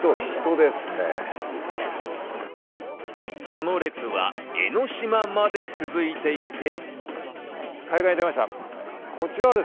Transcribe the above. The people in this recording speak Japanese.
その列は江の島まで続いていて。